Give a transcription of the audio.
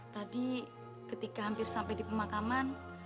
tadi ketika hampir sampai di pemakaman